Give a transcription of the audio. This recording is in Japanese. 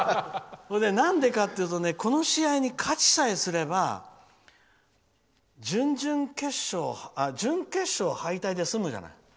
なんでかっていうとこの試合に勝ちさえすれば準決勝敗退で済むじゃない。